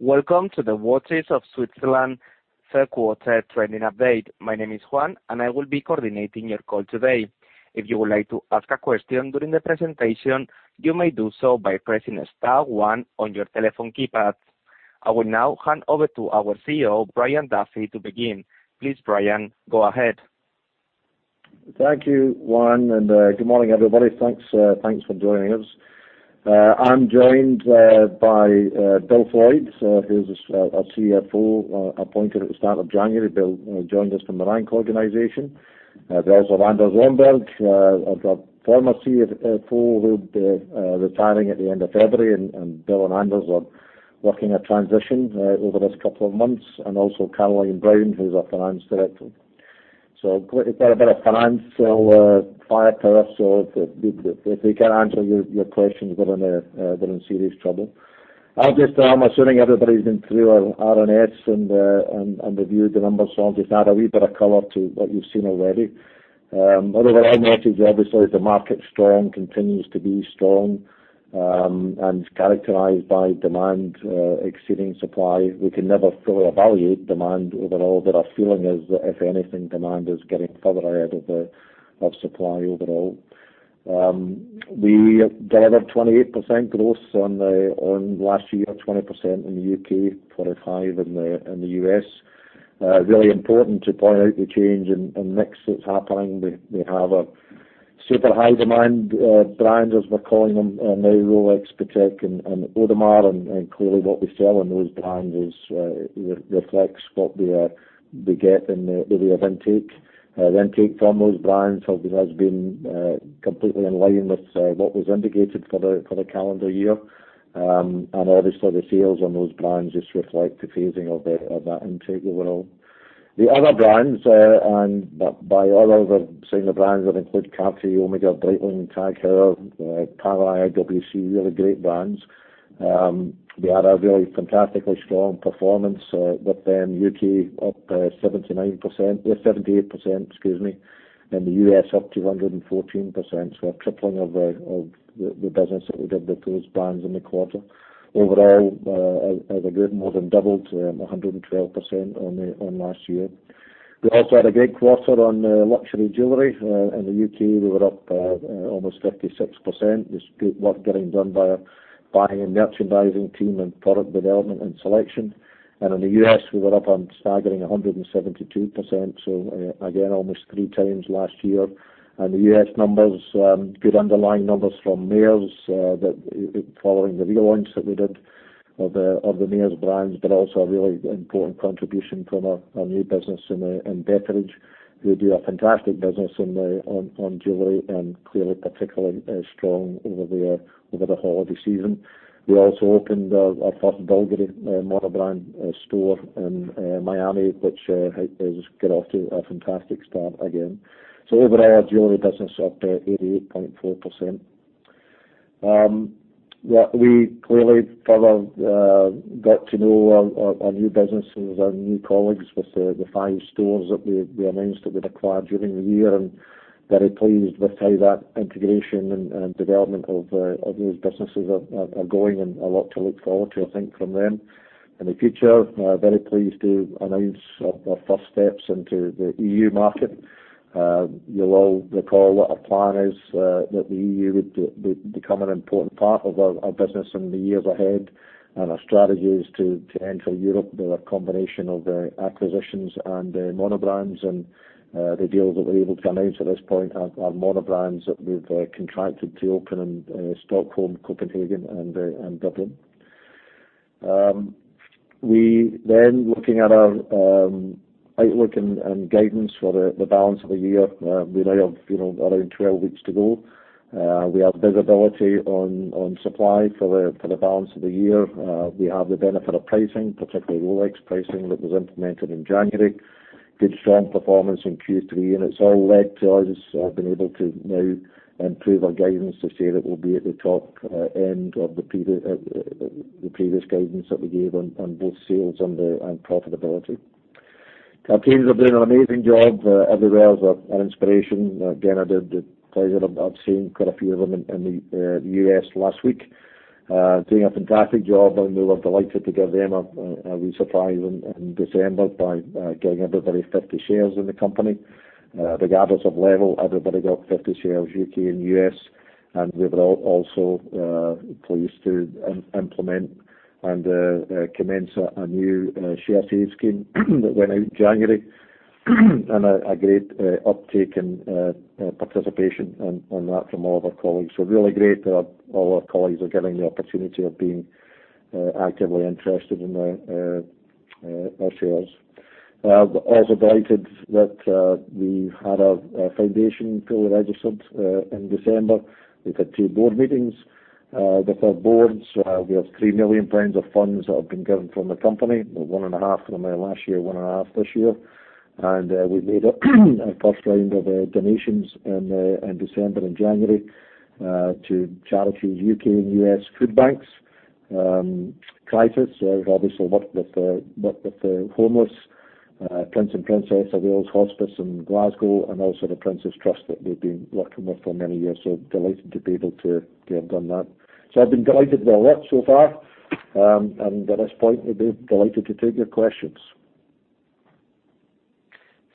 Welcome to the Watches of Switzerland Q3 trading update. My name is Juan, and I will be coordinating your call today. If you would like to ask a question during the presentation, you may do so by pressing star one on your telephone keypad. I will now hand over to our CEO, Brian Duffy, to begin. Please, Brian, go ahead. Thank you, Juan, and good morning, everybody. Thanks for joining us. I'm joined by Bill Floydd, who's our CFO, appointed at the start of January. Bill joined us from the Rank Organisation. There's also Anders Romberg, our former CFO, who'll be retiring at the end of February. Bill and Anders are working a transition over this couple of months. Also Caroline Browne, who's our finance director. We've got a bit of finance firepower so if they can't answer your questions, we're in serious trouble. Assuming everybody's been through our RNS and reviewed the numbers, I'll just add a wee bit of color to what you've seen already. What I noticed is obviously the market's strong, continues to be strong, and is characterized by demand exceeding supply. We can never fully evaluate demand overall, but our feeling is that if anything, demand is getting further ahead of supply overall. We delivered 28% growth on last year, 20% in the U.K., 45% in the U.S. Really important to point out the change in mix that's happening. We have a super high demand brands as we're calling them now Rolex, Patek, and Audemars. Clearly what we sell in those brands reflects what we get in the way of intake. The intake from those brands has been completely in line with what was indicated for the calendar year. Obviously the sales on those brands just reflect the phasing of that intake overall. The other brands and all other similar brands that include Cartier, Omega, Breitling, TAG Heuer, Panerai, IWC, really great brands. We had a really fantastically strong performance with them, U.K. up 79% or 78%, excuse me. In the U.S. up to 114%, so a tripling of the business that we did with those brands in the quarter. Overall, as a group more than doubled to 112% on last year. We also had a great quarter on luxury jewelry. In the U.K. we were up almost 56%. There's great work getting done by our buying and merchandising team and product development and selection. In the U.S., we were up a staggering 172%, again, almost three times last year. The U.S. numbers, good underlying numbers from Mayors, following the relaunch that we did of the Mayors brands, but also a really important contribution from our new business in Betteridge, who do a fantastic business on jewelry and clearly particularly strong over the holiday season. We also opened our first BVLGARI monobrand store in Miami, which has got off to a fantastic start again. Overall our jewelry business up to 88.4%. What we clearly further got to know our new businesses, our new colleagues with the five stores that we announced that we'd acquired during the year. Very pleased with how that integration and development of those businesses are going and a lot to look forward to, I think, from them in the future. Very pleased to announce our first steps into the EU market. You'll all recall what our plan is, that the EU would become an important part of our business in the years ahead. Our strategy is to enter Europe with a combination of acquisitions and monobrand. The deals that we're able to announce at this point are monobrand that we've contracted to open in Stockholm, Copenhagen, and Dublin. We then looking at our outlook and guidance for the balance of the year, we now have, you know, around 12 weeks to go. We have visibility on supply for the balance of the year. We have the benefit of pricing, particularly Rolex pricing that was implemented in January. Good strong performance in Q3, and it's all led to us being able to now improve our guidance to say that we'll be at the top end of the previous guidance that we gave on both sales and profitability. Our teams are doing an amazing job. Everywhere is an inspiration. Again, I had the pleasure of seeing quite a few of them in the U.S. last week, doing a fantastic job, and we were delighted to give them a wee surprise in December by giving everybody 50 shares in the company. Regardless of level, everybody got 50 shares, U.K. and U.S. We were also pleased to implement and commence a new share save scheme that went out in January. Great uptake in participation on that from all of our colleagues. Really great that all our colleagues are getting the opportunity of being actively interested in our shares. Also delighted that we've had our foundation fully registered in December. We've had two board meetings with our boards. We have 3 million pounds of funds that have been given from the company, one and a half million from last year, one and a half million this year. We've made a first round of donations in December and January to charities, U.K. and U.S. food banks. Crisis, who obviously work with the homeless. Prince & Princess of Wales Hospice in Glasgow, and also the Prince's Trust that we've been working with for many years. Delighted to be able to have done that. I've been delighted with a lot so far. At this point, we'd be delighted to take your questions.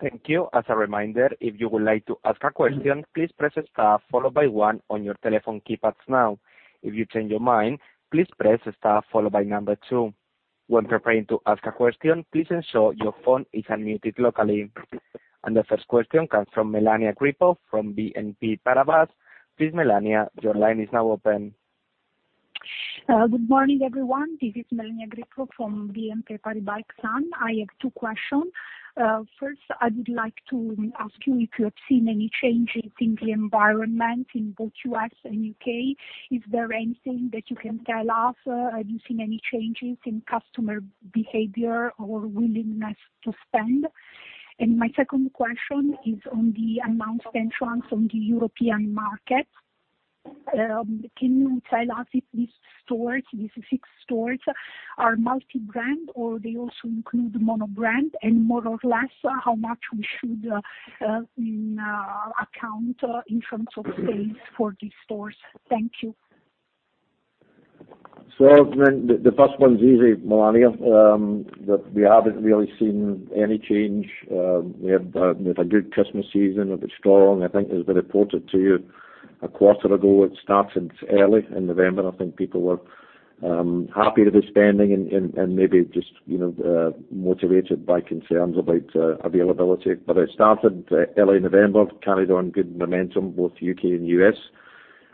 Thank you. As a reminder, if you would like to ask a question, please press star followed by one on your telephone keypads now. If you change your mind, please press star followed by number two. When preparing to ask a question, please ensure your phone is unmuted locally. The first question comes from Melania Grippo from BNP Paribas. Please, Melania, your line is now open. Good morning, everyone. This is Melania Grippo from BNP Paribas Exane. I have two question. First, I would like to ask you if you have seen any changes in the environment in both U.S. and U.K. Is there anything that you can tell us? Have you seen any changes in customer behavior or willingness to spend? My second question is on the announced entrance on the European market. Can you tell us if these stores, these six stores, are multi-brand or they also include monobrand? More or less, how much we should account in terms of space for these stores? Thank you. I mean, the first one's easy, Melania. We haven't really seen any change. We had a good Christmas season. It was strong. I think as we reported to you a quarter ago, it started early in November. I think people were happy to be spending and maybe just, you know, motivated by concerns about availability. It started early November, carried on good momentum, both U.K. and U.S.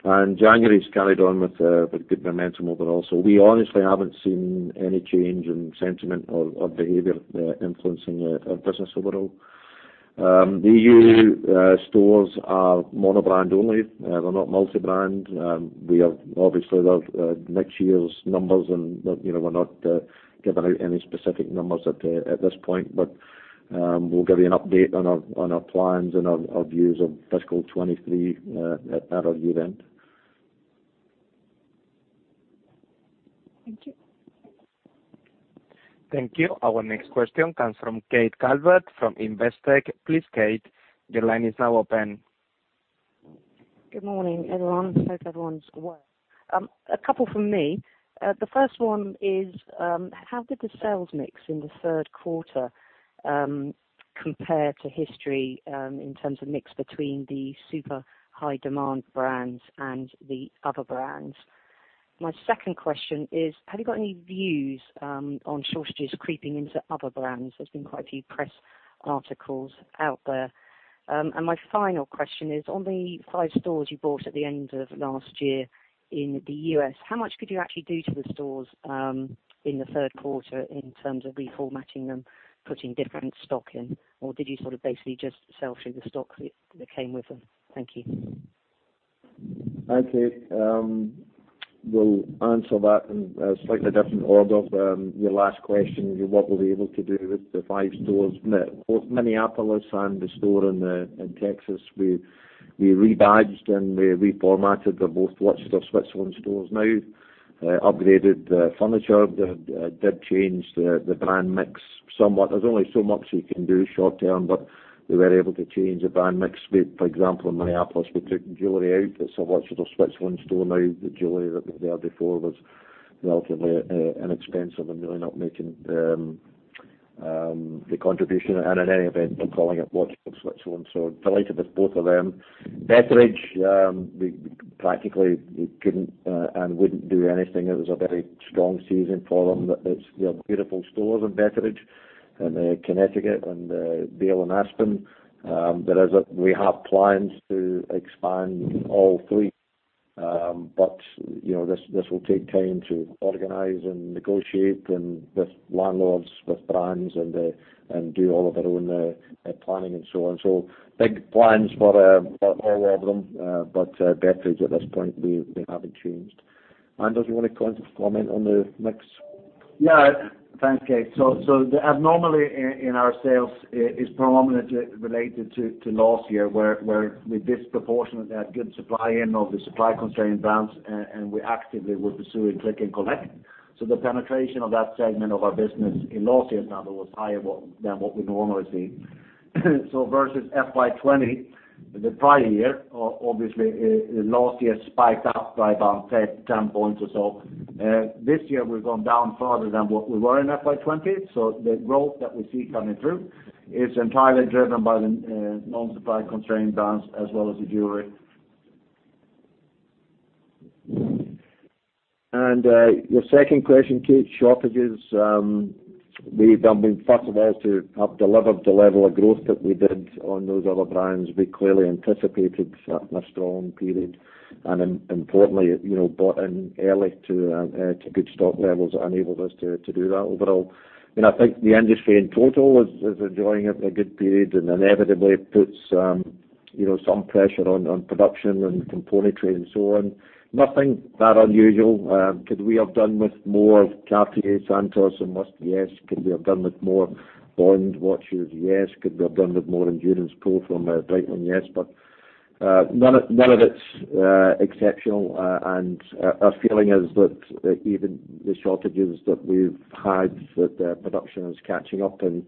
January's carried on with good momentum overall. We honestly haven't seen any change in sentiment or behavior influencing our business overall. The EU stores are monobrand only. They're not multi-brand. We have obviously the next year's numbers and, you know, we're not giving out any specific numbers at this point. We'll give you an update on our plans and our views of fiscal 2023 at our year-end. Thank you. Thank you. Our next question comes from Kate Calvert from Investec. Please, Kate, your line is now open. Good morning, everyone. Hope everyone's well. A couple from me. The first one is, how did the sales mix in the third quarter compare to history, in terms of mix between the super high demand brands and the other brands? My second question is, have you got any views on shortages creeping into other brands? There's been quite a few press articles out there. My final question is on the 5 stores you bought at the end of last year in the U.S., how much could you actually do to the stores in the third quarter in terms of reformatting them, putting different stock in? Or did you sort of basically just sell through the stock that came with them? Thank you. Hi, Kate. We'll answer that in a slightly different order. Your last question, what we'll be able to do with the five stores. Both Minneapolis and the store in Texas, we rebadged and we reformatted. They're both Watches of Switzerland stores now. Upgraded the furniture. Did change the brand mix somewhat. There's only so much you can do short term, but we were able to change the brand mix. For example, in Minneapolis, we took jewelry out. It's a Watches of Switzerland store now. The jewelry that was there before was relatively inexpensive and really not making the contribution. In any event, we're calling it Watches of Switzerland, so delighted with both of them. Betteridge, we practically couldn't and wouldn't do anything. It was a very strong season for them. It's, you know, beautiful stores in Bethpage, in Connecticut and Vail and Aspen. We have plans to expand all three. You know, this will take time to organize and negotiate with landlords, with brands and do all of our own planning and so on. Big plans for all of them. Bethpage at this point, we haven't changed. Anders, you wanna comment on the mix? Thanks, Kate. The abnormality in our sales is predominantly related to last year, where we disproportionately had good supply into the supply-constrained brands and we actively were pursuing click and collect. The penetration of that segment of our business in last year's number was higher than what we normally see. Versus FY 2020, the prior year, obviously, last year spiked up by about 10 points or so. This year we've gone down further than what we were in FY 2020. The growth that we see coming through is entirely driven by the non-supply-constrained brands as well as the jewelry. Your second question, Kate, shortages. I mean, first of all, to have delivered the level of growth that we did on those other brands, we clearly anticipated having a strong period. Importantly, you know, bought in early to good stock levels that enabled us to do that overall. You know, I think the industry in total is enjoying a good period, and inevitably it puts some pressure on production and components and so on. Nothing that unusual. Could we have done with more Cartier Santos and Must? Yes. Could we have done with more Bond watches? Yes. Could we have done with more Endurance Pro from Breitling? Yes. None of it's exceptional. Our feeling is that even the shortages that we've had, production is catching up and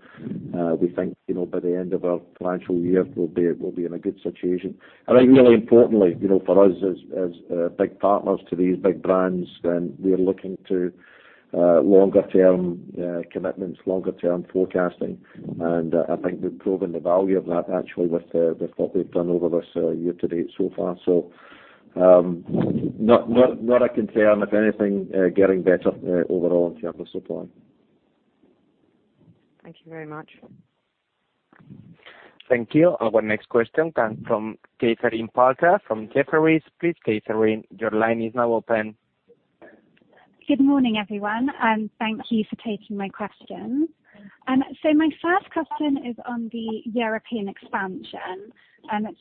we think, you know, by the end of our financial year we'll be in a good situation. I think really importantly, you know, for us as big partners to these big brands, we are looking to longer-term commitments, longer-term forecasting. I think we've proven the value of that actually with what we've done over this year to date so far. Not a concern. If anything, getting better overall in terms of supply. Thank you very much. Thank you. Our next question comes from Katherine Parker from Jefferies. Please, Katherine, your line is now open. Good morning, everyone, and thank you for taking my questions. My first question is on the European expansion.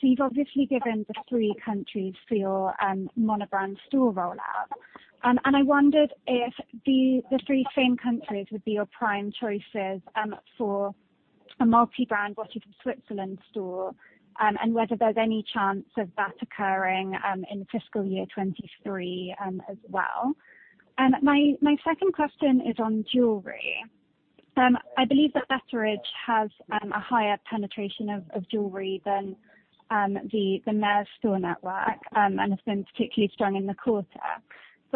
You've obviously given the three countries for your monobrand store rollout. I wondered if the three same countries would be your prime choices for a multi-brand Watches of Switzerland store, and whether there's any chance of that occurring in fiscal year 2023 as well. My second question is on jewelry. I believe that Betteridge has a higher penetration of jewelry than the Mayors store network, and has been particularly strong in the quarter.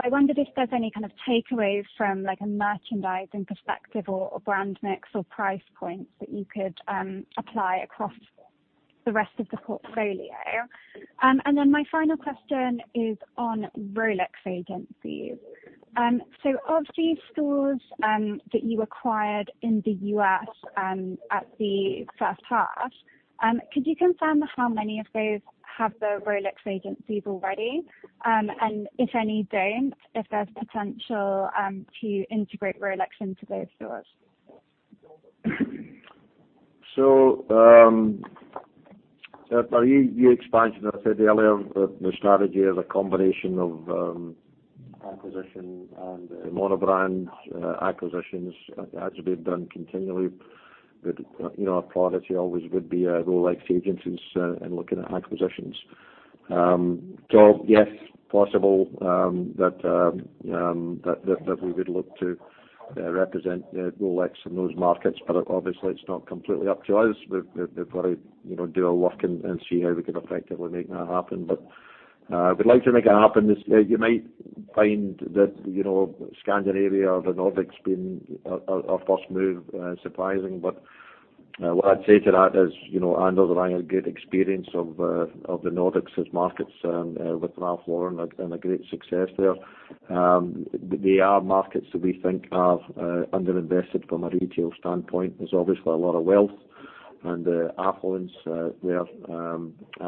I wondered if there's any kind of takeaways from like a merchandising perspective or brand mix or price points that you could apply across the rest of the portfolio. My final question is on Rolex agencies. Of these stores that you acquired in the U.S., at the first half, could you confirm how many of those have the Rolex agencies already? If any don't, if there's potential to integrate Rolex into those stores? For expansion, as I said earlier, the strategy is a combination of acquisition and monobrand acquisitions. It has to be done continually. You know, our priority always would be Rolex agencies and looking at acquisitions. Yes, possible that we would look to represent Rolex in those markets, but obviously it's not completely up to us. We've got to, you know, do our work and see how we can effectively make that happen. We'd like to make it happen. As you might find that, you know, Scandinavia or the Nordics being our first move surprising. What I'd say to that is, you know, Anders and I have great experience of the Nordics as markets with Ralph Lauren and a great success there. They are markets that we think have underinvested from a retail standpoint. There's obviously a lot of wealth and affluence there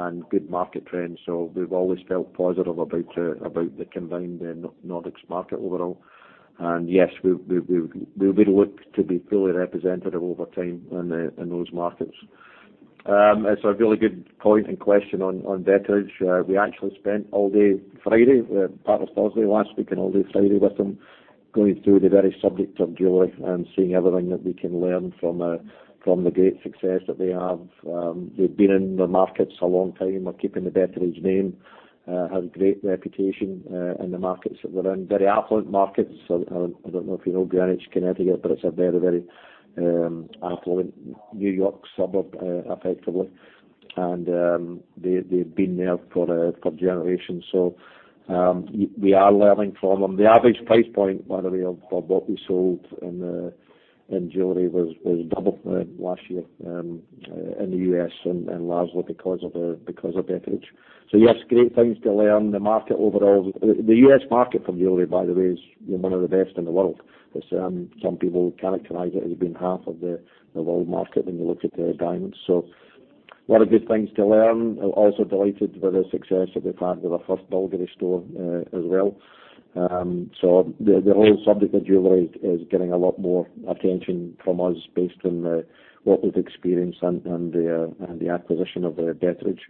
and good market trends. We've always felt positive about the combined Nordics market overall. Yes, we will look to be fully representative over time in those markets. It's a really good point and question on Betteridge. We actually spent all day Friday with partners with us last week and all day Friday with them, going through the very subject of jewelry and seeing everything that we can learn from the great success that they have. They've been in the markets a long time, are keeping the Betteridge name. Have great reputation in the markets that we're in, very affluent markets. I don't know if you know Greenwich, Connecticut, but it's a very affluent New York suburb, effectively. They've been there for generations. We are learning from them. The average price point, by the way, of what we sold in jewelry was double from last year in the U.S. and largely because of Betteridge. Yes, great things to learn. The market overall, the U.S. market for jewelry, by the way, is one of the best in the world. As some people characterize it as being half of the world market when you look at diamonds. A lot of good things to learn. Also delighted with the success that we've had with our first BVLGARI store as well. The whole subject of jewelry is getting a lot more attention from us based on what we've experienced and the acquisition of Betteridge.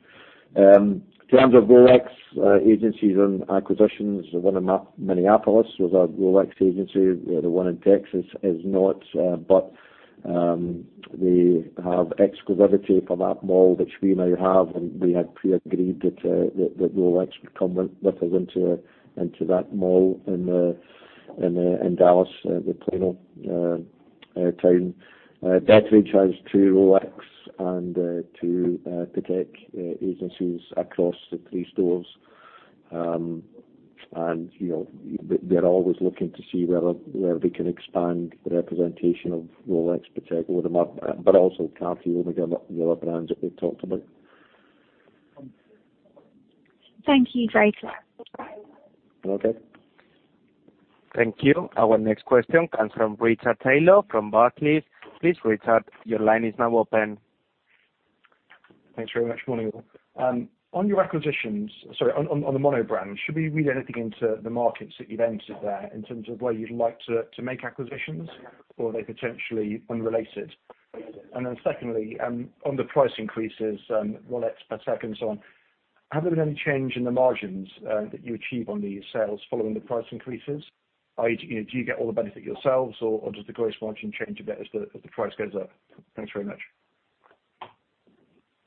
In terms of Rolex agencies and acquisitions, the one in Minneapolis was a Rolex agency. The one in Texas is not, but we have exclusivity for that mall, which we now have, and we had pre-agreed that Rolex would come with us into that mall in Dallas, the Plano town. Betteridge has two Rolex and two Patek agencies across the three stores. You know, they're always looking to see where we can expand the representation of Rolex, Patek, Audemars, but also Cartier and the other brands that we've talked about. Thank you. Great. Okay. Thank you. Our next question comes from Richard Taylor from Barclays. Please, Richard, your line is now open. Thanks very much. Morning, all. On the monobrand, should we read anything into the markets that you've entered there in terms of where you'd like to make acquisitions or are they potentially unrelated? Secondly, on the price increases, Rolex, Patek and so on, have there been any change in the margins that you achieve on these sales following the price increases? Do you get all the benefit yourselves or does the gross margin change a bit as the price goes up? Thanks very much.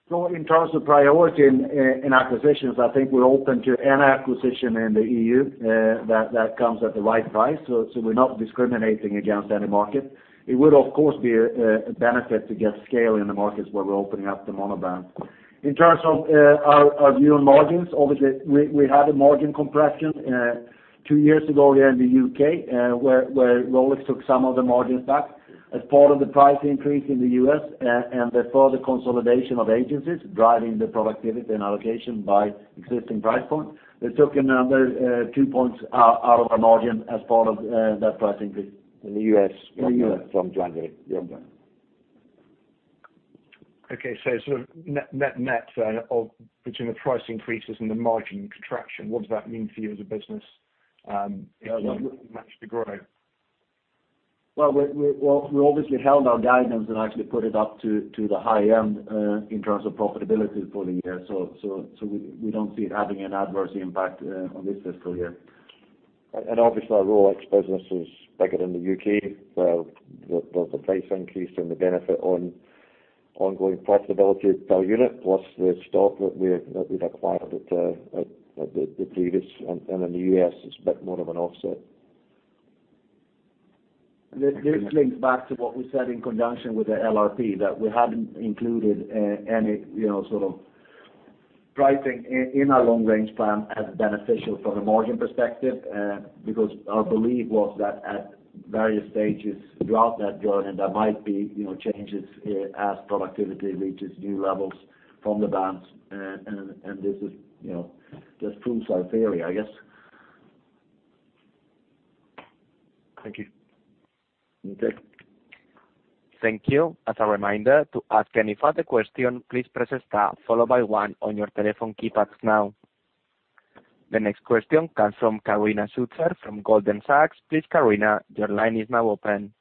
In terms of priority in acquisitions, I think we're open to any acquisition in the EU that comes at the right price. We're not discriminating against any market. It would of course be a benefit to get scale in the markets where we're opening up the monobrand. In terms of our new margins, obviously we had a margin compression two years ago here in the U.K., where Rolex took some of the margins back as part of the price increase in the U.S. and the further consolidation of agencies driving the productivity and allocation by existing price point. They took another 2 points out of our margin as part of that price increase. In the U.S. In the U.S. From January. Yeah. Sort of net of between the price increases and the margin contraction, what does that mean for you as a business? You know, like match the growth. Well, we obviously held our guidance and actually put it up to the high end in terms of profitability for the year. We don't see it having an adverse impact on this fiscal year. Obviously our Rolex business is bigger than the U.K. The price increase and the benefit on ongoing profitability per unit plus the stock that we've acquired at the previous and in the U.S. is a bit more of an offset. This links back to what we said in conjunction with the LRP, that we hadn't included any, you know, sort of pricing in our long range plan as beneficial from a margin perspective. Because our belief was that at various stages throughout that journey, there might be, you know, changes as productivity reaches new levels from the brands. This is, you know, just proves our theory, I guess. Thank you. Okay. Thank you. As a reminder, to ask any further question, please press star followed by one on your telephone keypads now. The next question comes from Carina Schuster from Goldman Sachs. Please Carina, your line is now open.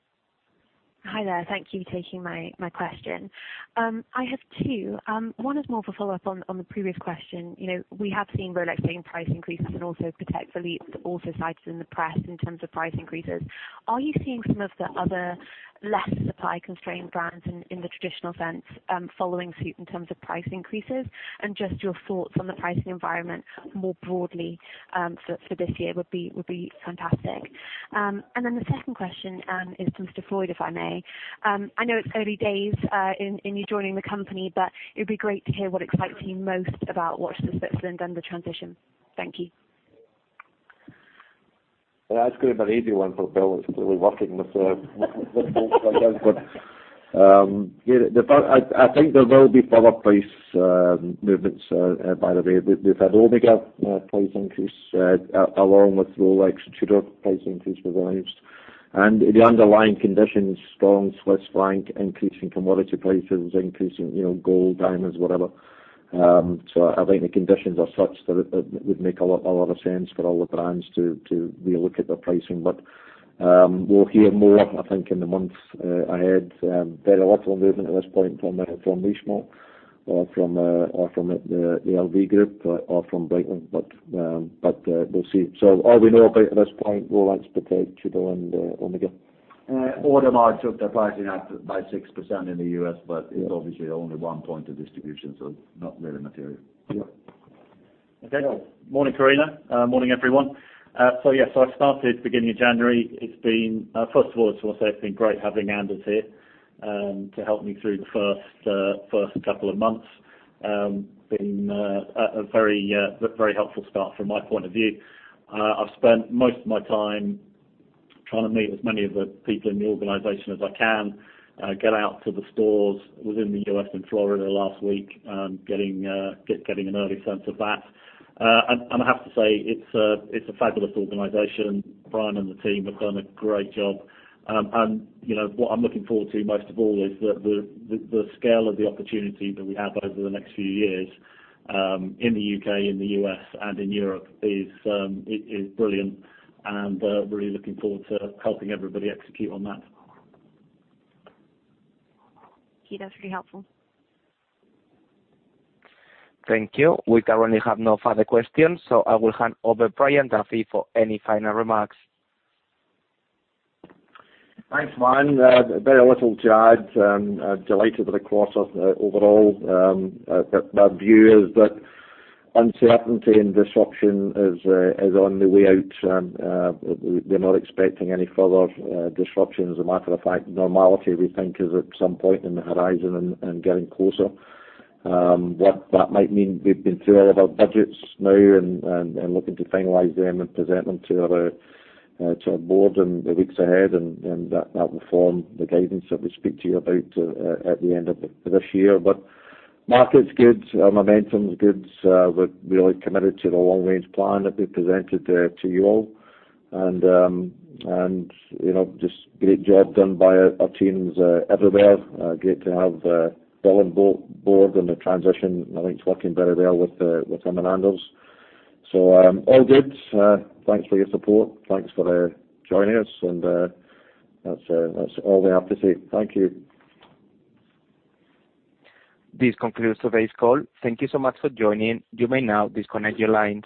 Hi there. Thank you for taking my question. I have two. One is more for follow-up on the previous question. You know, we have seen Rolex doing price increases and also Patek Philippe also cited in the press in terms of price increases. Are you seeing some of the other less supply constrained brands in the traditional sense, following suit in terms of price increases? And just your thoughts on the pricing environment more broadly, for this year would be fantastic. And then the second question is to Floyd, if I may. I know it's early days in you joining the company, but it'd be great to hear what excites you most about Watches of Switzerland and the transition. Thank you. Yeah. That's gonna be an easy one for Bill. It's clearly working with. I think there will be further price movements, by the way. We've had Omega price increase along with Rolex and Tudor price increase revised. And the underlying conditions, strong Swiss franc, increasing commodity prices, increasing, you know, gold, diamonds, whatever. I think the conditions are such that it would make a lot of sense for all the brands to relook at their pricing. But we'll hear more I think in the months ahead. Very little movement at this point from Richemont or from the LVMH Group or from Breitling. But we'll see. All we know about at this point, Rolex, Patek, Tudor, and Omega. Audemars took their pricing up by 6% in the U.S., but it's obviously only one point of distribution, so not really material. Yeah. Okay. Bill? Morning, Carina. Morning, everyone. Yes, I started beginning of January. It's been, first of all, I just wanna say it's been great having Anders here to help me through the first couple of months. It's been a very helpful start from my point of view. I've spent most of my time trying to meet as many of the people in the organization as I can, get out to the stores within the U.S. and Florida last week, getting an early sense of that. I have to say it's a fabulous organization. Brian and the team have done a great job. You know, what I'm looking forward to most of all is the scale of the opportunity that we have over the next few years in the U.K., in the U.S., and in Europe is brilliant. Really looking forward to helping everybody execute on that. Okay. That's really helpful. Thank you. We currently have no further questions, so I will hand over Brian Duffy for any final remarks. Thanks, man. Very little to add. I'm delighted with the quarter overall. The view is that uncertainty and disruption is on the way out, and we're not expecting any further disruption. As a matter of fact, normality we think is at some point in the horizon and getting closer. What that might mean, we've been through all of our budgets now and looking to finalize them and present them to our board in the weeks ahead and that will form the guidance that we speak to you about at the end of this year. Market's good. Our momentum's good. We're really committed to the long range plan that we presented to you all. You know, just great job done by our teams everywhere. Great to have Bill on board and the transition. I think it's working very well with him and Anders. All good. Thanks for your support. Thanks for joining us. That's all we have to say. Thank you. This concludes today's call. Thank you so much for joining. You may now disconnect your lines.